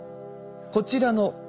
こちらの鳥。